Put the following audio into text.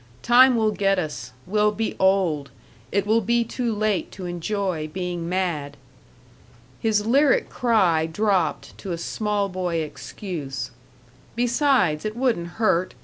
Time will get us we'll be old it will be too late to enjoy being mad." His lyric cry dropped to a small boy excuse: "Besides, it wouldn't hurt....